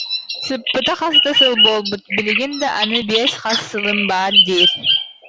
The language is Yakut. Сыппыта хас да сыл буолбут, билигин да аны биэс хас сылым баар диир